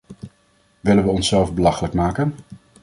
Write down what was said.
Willen we onszelf belachelijk maken?